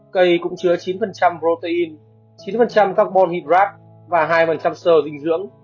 cây cũng chứa chín protein chín carbon hydrab và hai sơ dinh dưỡng